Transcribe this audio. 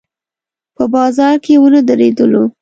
په بازار کې ونه درېدلو.